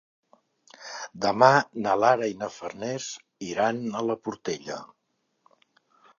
Demà na Lara i na Farners iran a la Portella.